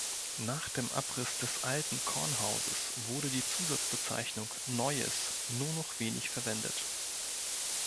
Nach dem Abriss des Alten Kornhauses wurde die Zusatzbezeichnung „Neues“ nur noch wenig verwendet.